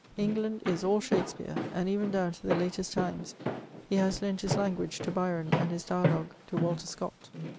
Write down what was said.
Eng land is all Shakspeare, and even down to the latest times, he has lent his language to Bjron and his dialogue to Walter Scott.